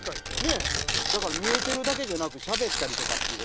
だから見えてるだけじゃなくしゃべったりとかっていうことやもんね。